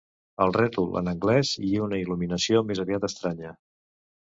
El rètol en anglès i una il·luminació més aviat estranya.